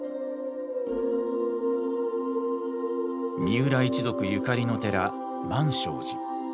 三浦一族ゆかりの寺満昌寺。